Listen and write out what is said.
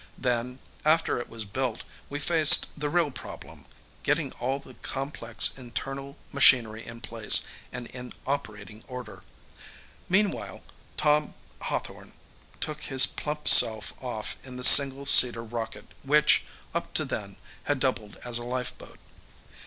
Then, after it was built, we faced the real problem getting all the complex internal machinery in place and in operating order. Meanwhile, Tom Hawthorne took his plump self off in the single seater rocket which, up to then, had doubled as a lifeboat.